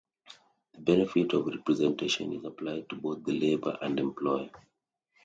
The benefit of representation is applied to both the labor and employer.